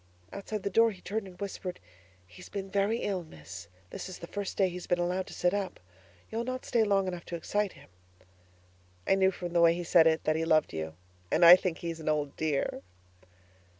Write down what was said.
Outside the door he turned and whispered, 'He's been very ill, Miss. This is the first day he's been allowed to sit up. You'll not stay long enough to excite him?' I knew from the way he said it that he loved you and I think he's an old dear!